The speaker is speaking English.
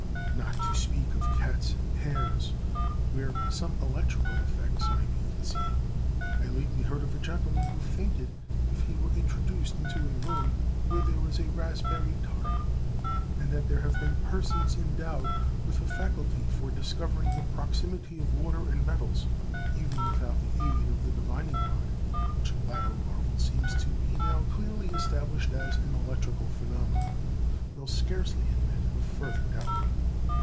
Not to speak of cats and hares, where some electrical effects might be conceived, I lately heard of a gentleman who fainted if he were introduced into a room where there was a raspberry tart; and that there have been persons endowed with a faculty for discovering the proximity of water and metals, even without the aid of the divining rod—which latter marvel seems to be now clearly established as an electrical phenomenon—will scarcely admit of further doubt.